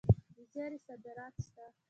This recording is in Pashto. د زیرې صادرات شته.